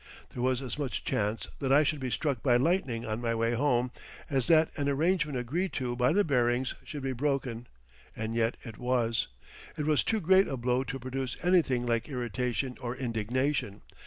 There was as much chance that I should be struck by lightning on my way home as that an arrangement agreed to by the Barings should be broken. And yet it was. It was too great a blow to produce anything like irritation or indignation.